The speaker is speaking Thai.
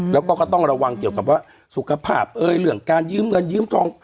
แล้วก็ก็ต้องระวังเกี่ยวกับว่าสุขภาพเอ้ยเรื่องการยืมเงินยืมทอง